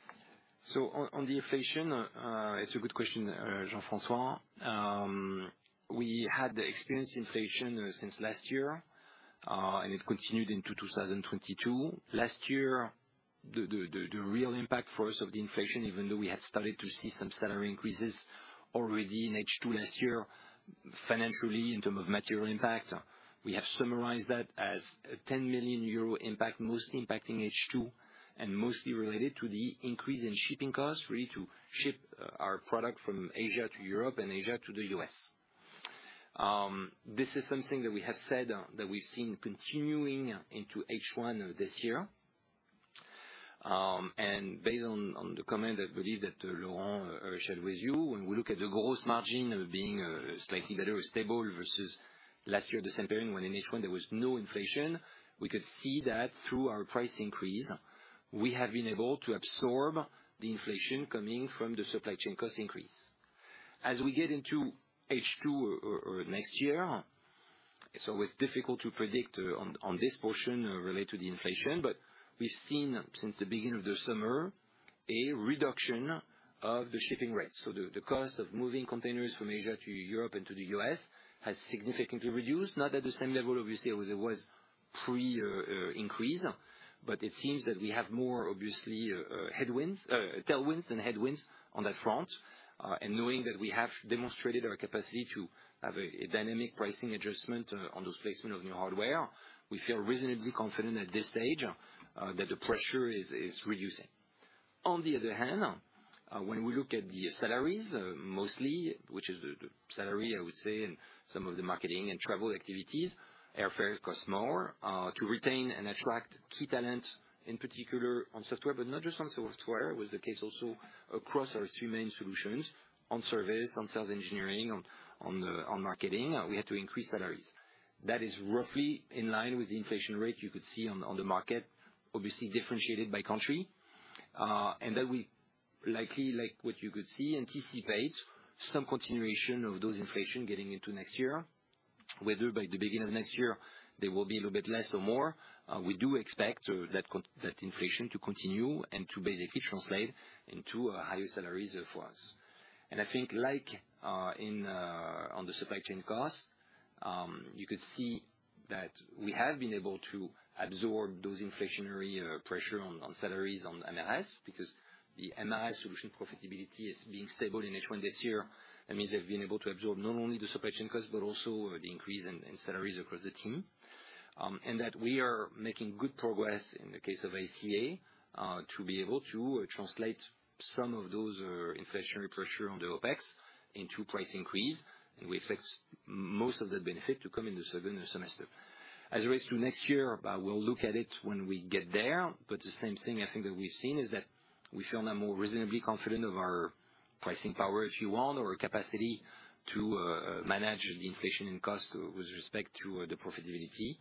On the inflation, it's a good question, Jean-François. We had experienced inflation since last year, and it continued into 2022. Last year, the real impact for us of the inflation, even though we had started to see some salary increases already in H2 last year, financially, in terms of material impact, we have summarized that as a 10 million euro impact, mostly impacting H2, and mostly related to the increase in shipping costs, really to ship our product from Asia to Europe and Asia to the U.S. This is something that we have said, that we've seen continuing into H1 this year. Based on the comment I believe that Laurent shared with you, when we look at the gross margin being slightly better or stable versus last year at the same period, when in H1 there was no inflation, we could see that through our price increase, we have been able to absorb the inflation coming from the supply chain cost increase. As we get into H2 or next year, it's always difficult to predict on this portion related to the inflation. We've seen since the beginning of the summer a reduction of the shipping rates. The cost of moving containers from Asia to Europe and to the U.S., has significantly reduced, not at the same level, obviously, as it was pre-increase, but it seems that we have more, obviously, tailwinds than headwinds on that front. Knowing that we have demonstrated our capacity to have a dynamic pricing adjustment on the placement of new hardware, we feel reasonably confident at this stage that the pressure is reducing. On the other hand, when we look at the salaries, mostly, which is the salary, I would say, in some of the marketing and travel activities, airfares cost more to retain and attract key talent, in particular on software, but not just on software. It was the case also across our three main solutions, on service, on sales engineering, on marketing. We had to increase salaries. That is roughly in line with the inflation rate you could see on the market, obviously differentiated by country. We likely, like what you could see, anticipate some continuation of those inflation getting into next year. Whether by the beginning of next year they will be a little bit less or more, we do expect that inflation to continue and to basically translate into higher salaries for us. I think like in on the supply chain costs, you could see that we have been able to absorb those inflationary pressure on salaries on MRS, because the MRS solution profitability is being stable in H1 this year. That means they've been able to absorb not only the supply chain costs, but also the increase in salaries across the team. We are making good progress in the case of ICA to be able to translate some of those inflationary pressure on the OpEx into price increase. We expect most of the benefit to come in the second semester. As it relates to next year, we'll look at it when we get there, but the same thing I think that we've seen is that we feel now more reasonably confident of our pricing power, if you want, or capacity to manage the inflation in cost with respect to the profitability.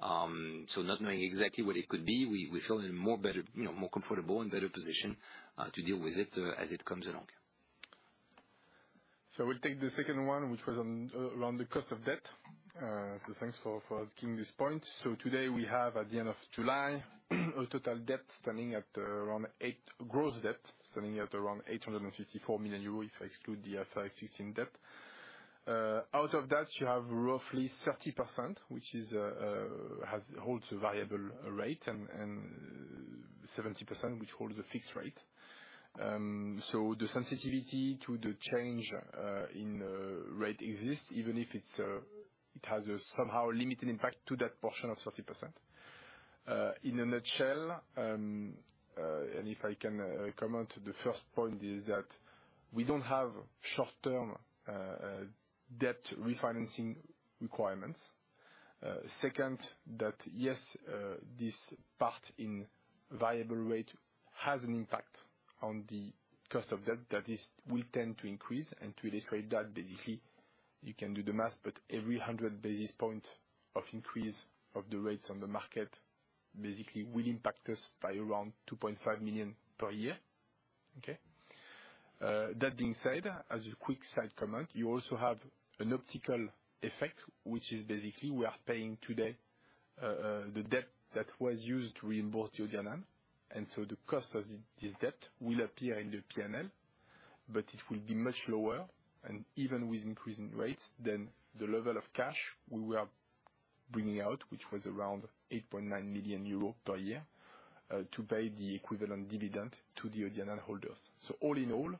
Not knowing exactly what it could be, we feel in more better, you know, more comfortable and better position to deal with it as it comes along. We'll take the second one, which was on around the cost of debt. Thanks for asking this point. Today we have at the end of July a total debt standing at around 854 million euro if I exclude the IFRS 16 debt. Out of that, you have roughly 30%, which holds a variable rate, and 70% which holds a fixed rate. The sensitivity to the change in rate exists, even if it has a somehow limited impact to that portion of 30%. In a nutshell, if I can comment, the first point is that we don't have short-term debt refinancing requirements. Second, that, yes, this part in variable rate has an impact on the cost of debt. That is, will tend to increase. To illustrate that, basically you can do the math, but every 100 basis points of increase of the rates on the market basically will impact us by around 2.5 million per year. That being said, as a quick side comment, you also have an optical effect, which is basically we are paying today the debt that was used to reimburse the OCEANE. The cost of this debt will appear in the P&L, but it will be much lower. Even with increasing rates, then the level of cash we were bringing out, which was around 8.9 million euros per year, to pay the equivalent dividend to the OCEANE holders. All in all,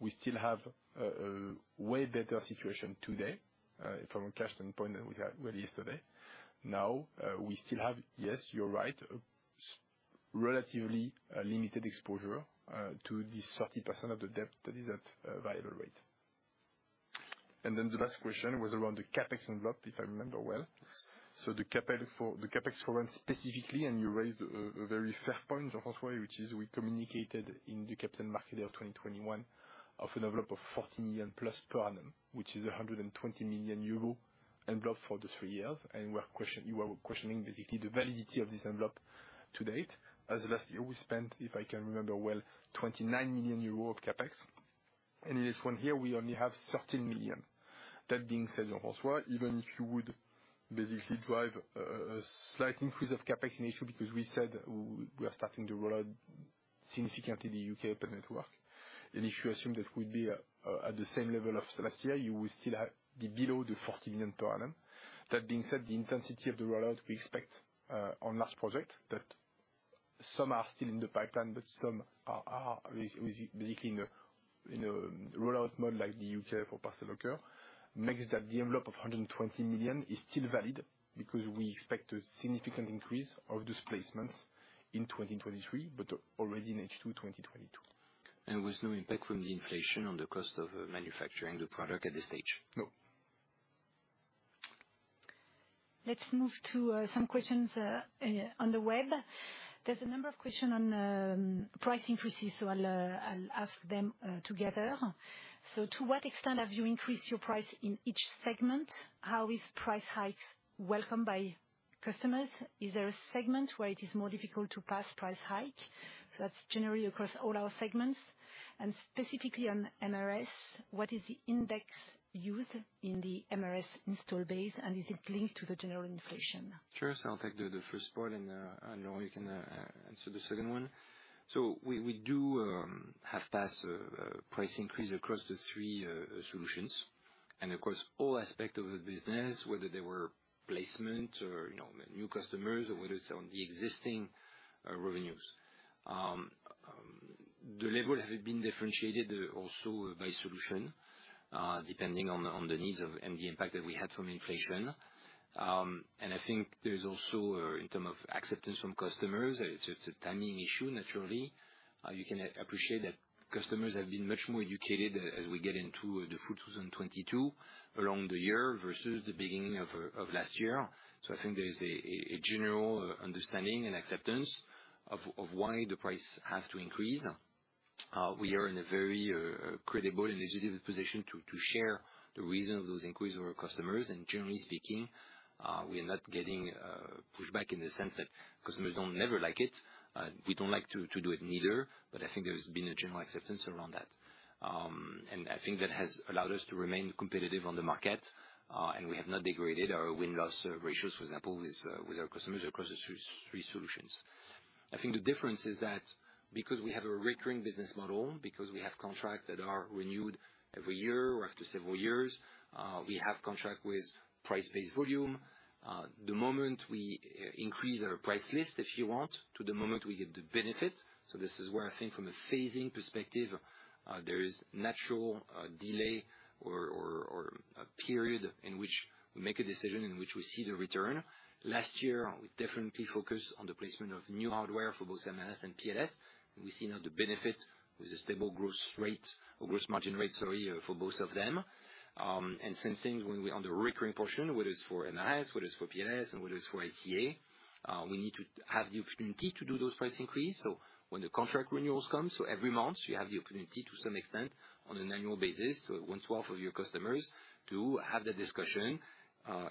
we still have a way better situation today, well, from a cash standpoint than we had yesterday. Now, we still have, yes, you're right, relatively limited exposure to the 30% of the debt that is at a variable rate. Then the last question was around the CapEx envelope, if I remember well. Yes. The CapEx for one specifically, you raised a very fair point, Jean-François, which is we communicated in the Capital Markets Day of 2021 of an envelope of 40 million plus per annum, which is a 120 million euro envelope for the three years. You are questioning basically the validity of this envelope to date. Last year we spent, if I can remember well, 29 million euro of CapEx. In this one here, we only have 13 million. That being said, Laurent, even if you would basically drive a slight increase of CapEx next year, because we said we are starting to roll out significantly the U.K., open network. If you assume that we'd be at the same level of last year, you will still be below the 40 million per annum. That being said, the intensity of the rollout we expect on large projects, that some are still in the pipeline, but some are basically in a rollout mode like the U.K., for parcel locker, makes that the envelope of 120 million is still valid because we expect a significant increase of deployments in 2023, but already in H2 2022. With no impact from the inflation on the cost of manufacturing the product at this stage? No. Let's move to some questions on the web. There's a number of question on price increases, so I'll ask them together. To what extent have you increased your price in each segment? How is price hikes welcomed by customers? Is there a segment where it is more difficult to pass price hike? That's generally across all our segments. Specifically on MRS, what is the index used in the MRS installed base, and is it linked to the general inflation? Sure. I'll take the first part, and Laurent you can answer the second one. We do have passed a price increase across the three solutions, and across all aspect of the business, whether they were placement or, you know, new customers or whether it's on the existing revenues. The level have been differentiated also by solution, depending on the needs and the impact that we had from inflation. I think there's also, in terms of acceptance from customers, it's a timing issue, naturally. You can appreciate that customers have been much more educated as we get into the full 2022, along the year versus the beginning of last year. I think there is a general understanding and acceptance of why the price has to increase. We are in a very credible and legitimate position to share the reason of those increase with our customers. Generally speaking, we are not getting pushback in the sense that customers don't never like it. We don't like to do it neither. I think there's been a general acceptance around that. I think that has allowed us to remain competitive on the market and we have not degraded our win-loss ratios, for example, with our customers across the three solutions. I think the difference is that because we have a recurring business model, because we have contracts that are renewed every year or after several years, we have contract with price-based volume. The moment we increase our price list, if you want, to the moment we get the benefit. This is where I think from a phasing perspective, there is natural delay or a period in which we make a decision in which we see the return. Last year, we definitely focus on the placement of new hardware for both MRS and PLS. We see now the benefit with a stable growth rate, or growth margin rate, sorry, for both of them. Same thing when we're on the recurring portion, whether it's for MRS, whether it's for PLS, and whether it's for ICA, we need to have the opportunity to do those price increase. When the contract renewals come, every month you have the opportunity to some extent on an annual basis, so one third of your customers, to have that discussion.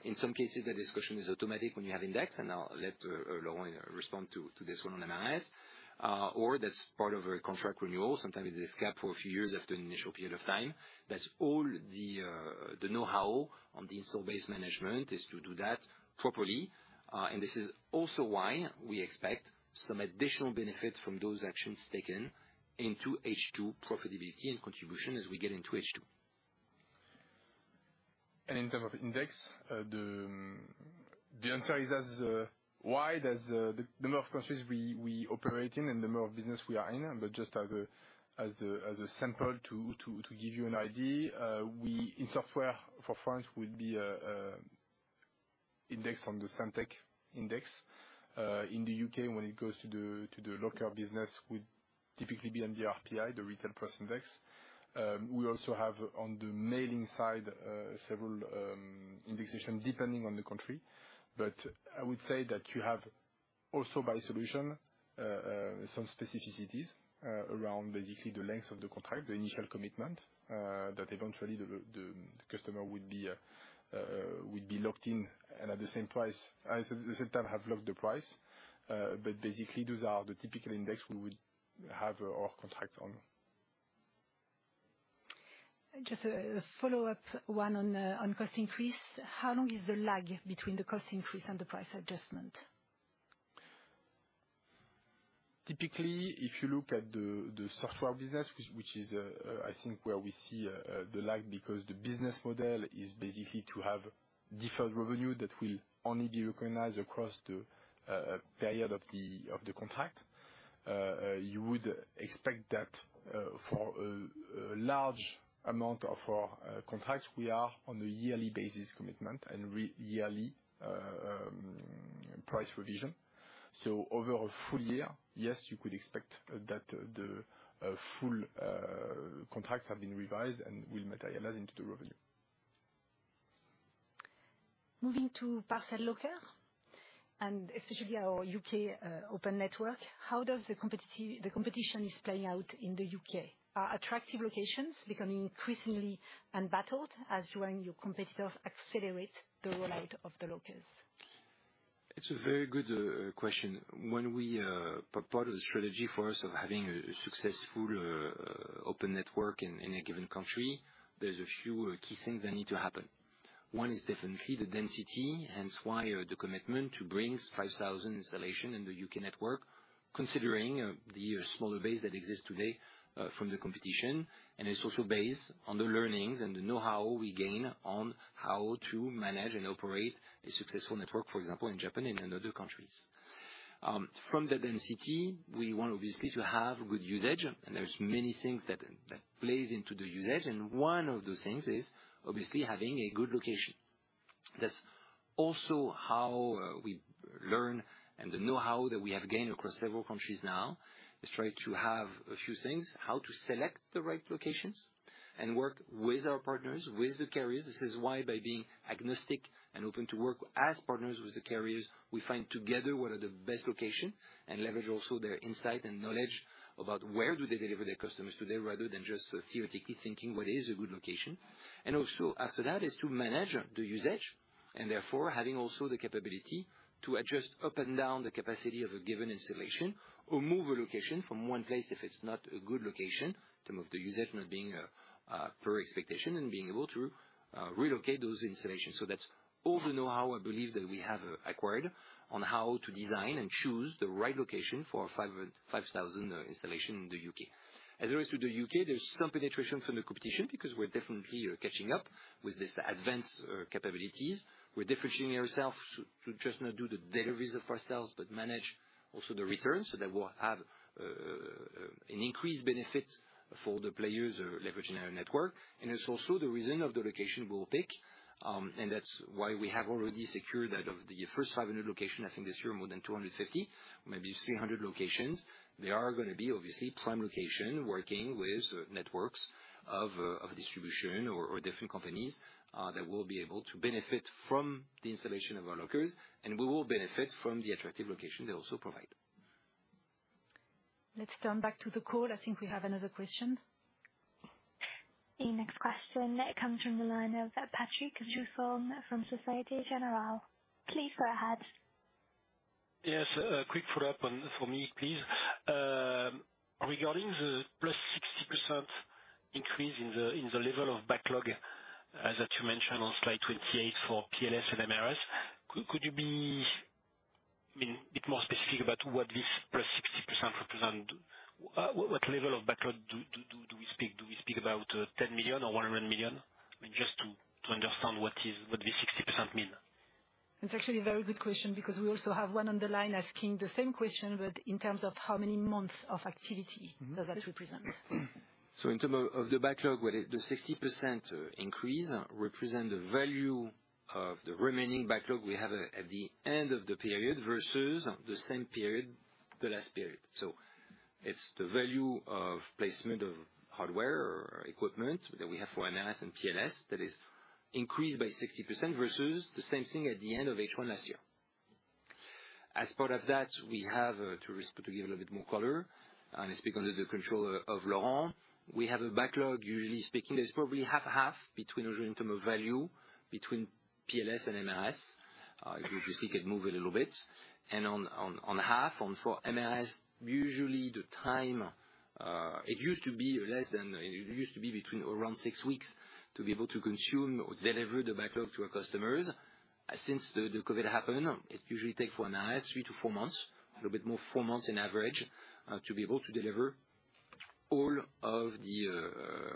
In some cases, the discussion is automatic when you have index, and I'll let Laurent respond to this one on MRS. That's part of a contract renewal. Sometimes it is capped for a few years after an initial period of time. That's all the know-how on the install base management is to do that properly. This is also why we expect some additional benefit from those actions taken into H2 profitability and contribution as we get into H2. In terms of indices, the answer is as wide as the number of countries we operate in and the number of business we are in. Just as a sample to give you an idea, in software for France we will be indexed on the Syntec index. In the U.K., when it goes to the local business, we typically be on the RPI, the Retail Price Index. We also have on the mailing side several indexation depending on the country. I would say that you have also by solution, some specificities, around basically the length of the contract, the initial commitment, that eventually the customer will be locked in and at the same price, at the same time have locked the price. Basically, those are the typical index we would have our contracts on. Just a follow-up one on cost increase. How long is the lag between the cost increase and the price adjustment? Typically, if you look at the software business, which is, I think where we see the lag because the business model is basically to have deferred revenue that will only be recognized across the period of the contract. You would expect that for a large amount of our contracts, we are on a yearly basis commitment and re-yearly price revision. Over a full year, yes, you could expect that the full contracts have been revised and will materialize into the revenue. Moving to parcel locker. Especially our U.K., open network. How is the competition playing out in the U.K.? Are attractive locations becoming increasingly embattled as you and your competitors accelerate the rollout of the lockers? It's a very good question. Part of the strategy for us of having a successful open network in a given country, there's a few key things that need to happen. One is definitely the density, hence why the commitment to bring 5,000 installation in the U.K. network, considering the smaller base that exists today from the competition, and it's also based on the learnings and the know-how we gain on how to manage and operate a successful network, for example, in Japan and other countries. From that density, we want obviously to have good usage, and there's many things that plays into the usage, and one of the things is obviously having a good location. That's also how we learn, and the know-how that we have gained across several countries now is try to have a few things, how to select the right locations and work with our partners, with the carriers. This is why by being agnostic and open to work as partners with the carriers, we find together what are the best location and leverage also their insight and knowledge about where do they deliver their customers today, rather than just theoretically thinking what is a good location. Also after that is to manage the usage and therefore having also the capability to adjust up and down the capacity of a given installation or move a location from one place if it's not a good location, in terms of the usage not being per expectation and being able to relocate those installations. That's all the know-how I believe that we have acquired on how to design and choose the right location for 5,000 installations in the U.K. As it is with the U.K., there's some penetration from the competition because we're definitely catching up with this advanced capabilities. We're differentiating ourselves to just not do the deliveries for ourselves, but manage also the returns, so that we'll have an increased benefit for the players leveraging our network. It's also the reason for the location we will pick, and that's why we have already secured half of the first 500 locations, I think this year more than 250, maybe 300 locations. They are gonna be obviously prime location working with networks of distribution or different companies that will be able to benefit from the installation of our lockers, and we will benefit from the attractive location they also provide. Let's turn back to the call. I think we have another question. The next question comes from the line of Patrick Jousseaume from Société Générale. Please go ahead. Yes, a quick follow-up for me, please. Regarding the +60% increase in the level of backlog that you mentioned on slide 28 for PLS and MRS, could you be, I mean, a bit more specific about what this +60% represents? What level of backlog do we speak? Do we speak about 10 million or 100 million? I mean, just to understand what this 60% means. It's actually a very good question because we also have one on the line asking the same question, but in terms of how many months of activity does that represent? In terms of the backlog, well, the 60% increase represents the value of the remaining backlog we have at the end of the period versus the same period the last period. It's the value of placement of hardware or equipment that we have for MRS and PLS that is increased by 60% versus the same thing at the end of H1 last year. As part of that, we have to give a little bit more color, and I speak under the control of Laurent. We have a backlog, usually speaking, that's probably half between, in terms of value between PLS and MRS. If you see it move a little bit. One half on for MRS, usually at the time, it used to be less than... It used to be between around 6 weeks to be able to consume or deliver the backlog to our customers. Since the COVID happened, it usually take for MRS 3-4 months, a little bit more, 4 months on average, to be able to deliver all of the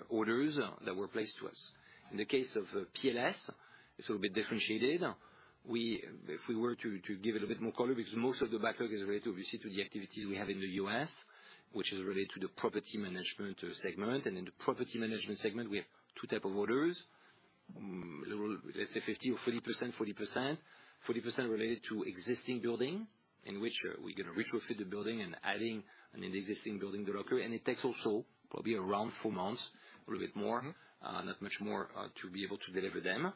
orders that were placed to us. In the case of PLS, it's a little bit differentiated. If we were to give it a bit more color, because most of the backlog is related obviously to the activities we have in the U.S., which is related to the property management segment. In the property management segment, we have two type of orders. Let's say 50% or 40%, 40%. 40% related to existing building, in which we're gonna retrofit the building and adding an existing building the locker. It takes also probably around 4 months, a little bit more, not much more, to be able to deliver them.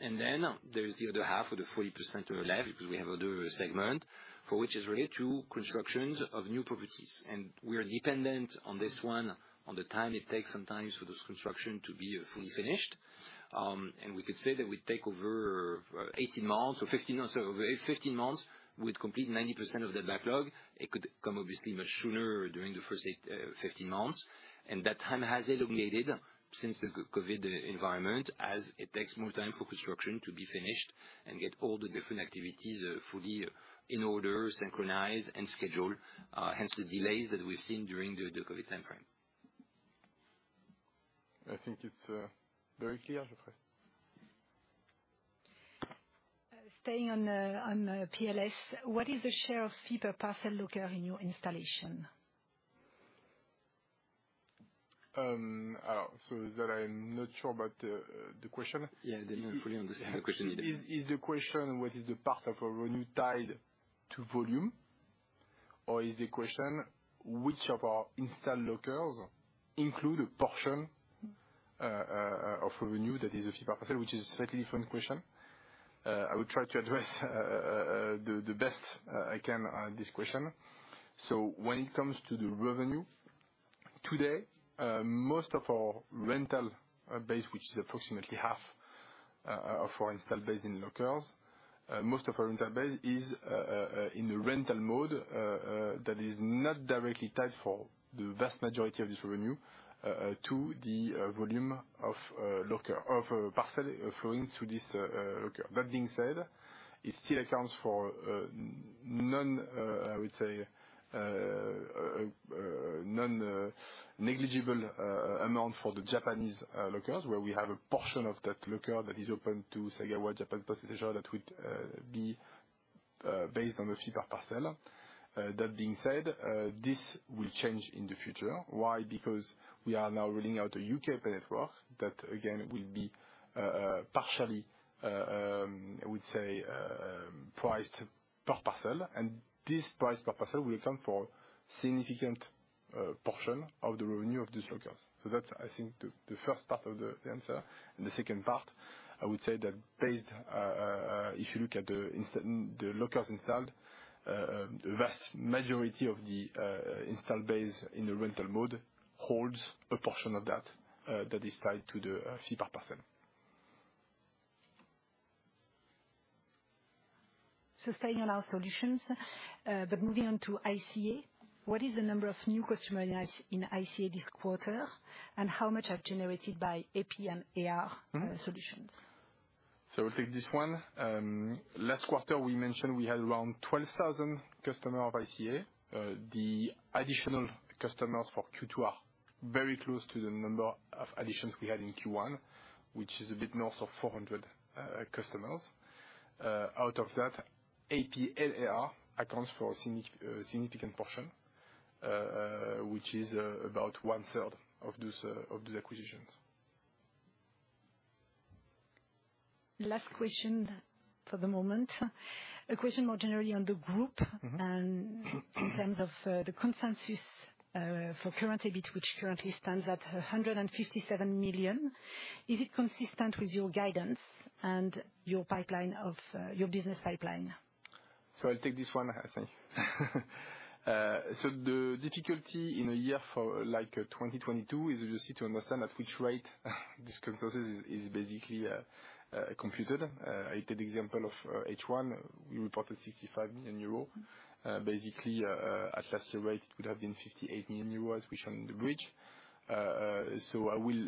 Then there's the other half of the 40% left, because we have other segment for which is related to constructions of new properties. We are dependent on this one on the time it takes sometimes for this construction to be fully finished. We could say that we take over 18 months or 15 months. Over 18, 15 months, we complete 90% of the backlog. It could come obviously much sooner during the first 8, 15 months. That time has elongated since the COVID environment, as it takes more time for construction to be finished and get all the different activities fully in order, synchronized, and scheduled, hence the delays that we've seen during the COVID timeframe. I think it's very clear, Geoffrey. Staying on PLS, what is the share of fee per parcel locker in your installation? I'm not sure about the question. Yeah, I did not fully understand the question either. Is the question what is the part of our revenue tied to volume? Is the question which of our installed lockers include a portion of revenue that is a fee per parcel, which is a slightly different question. I will try to address the best I can on this question. When it comes to the revenue, today, most of our rental base, which is approximately half of our installed base in lockers, most of our rental base is in the rental mode that is not directly tied for the vast majority of this revenue to the volume of parcel flowing through this locker. That being said, it still accounts for, I would say, negligible amount for the Japanese lockers, where we have a portion of that locker that is open to Sagawa, Japan Post that would be based on the fee per parcel. That being said, this will change in the future. Why? Because we are now rolling out a U.K., open network that again will be partially, I would say, priced per parcel. This price per parcel will account for significant portion of the revenue of these lockers. That's, I think, the first part of the answer. The second part, I would say that based if you look at the lockers installed, the vast majority of the installed base in the rental mode holds a portion of that that is tied to the fee per parcel. Sustainable solutions. Moving on to ICA, what is the number of new customer adds in ICA this quarter, and how much are generated by AP and AR solutions? I'll take this one. Last quarter we mentioned we had around 12,000 customers of ICA. The additional customers for Q2 are very close to the number of additions we had in Q1, which is a bit north of 400 customers. Out of that AP and AR accounts for a significant portion, which is about one-third of those acquisitions. Last question for the moment. A question more generally on the group. Mm-hmm. In terms of the consensus for current EBIT, which currently stands at 157 million. Is it consistent with your guidance and your pipeline of your business pipeline? I'll take this one, I think. The difficulty in a year for, like, 2022 is obviously to understand at which rate this consensus is basically computed. I take the example of H1. We reported 65 million euro. Basically, at last year's rate it would have been 58 million euros, which on the bridge. I will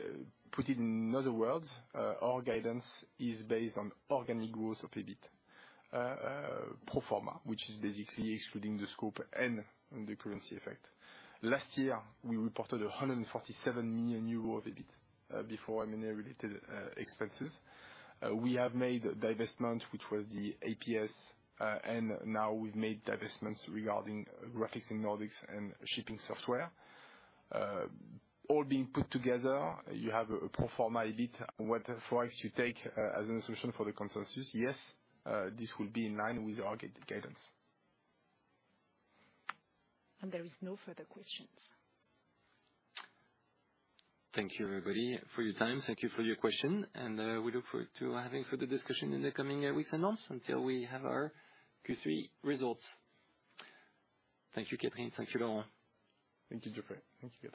put it in other words, our guidance is based on organic growth of EBIT pro forma, which is basically excluding the scope and the currency effect. Last year we reported 147 million euros of EBIT before M&A related expenses. We have made divestment, which was the APS, and now we've made divestments regarding Graphics in Nordics and Shipping Software. All being put together, you have a pro forma EBIT. Whatever price you take, as a solution for the consensus, yes, this will be in line with our guidance. There is no further questions. Thank you, everybody, for your time. Thank you for your question, and we look forward to having further discussion in the coming weeks and until we have our Q3 results. Thank you, Catherine. Thank you, Laurent. Thank you, Geoffrey. Thank you, Catherine.